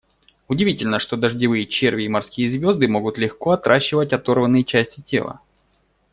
Удивительно, что дождевые черви и морские звезды могут легко отращивать оторванные части тела.